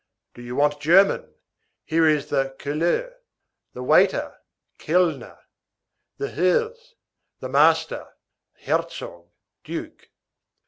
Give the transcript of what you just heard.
Do you want German? Here is the caleur, the waiter, kellner; the hers, the master, herzog (duke).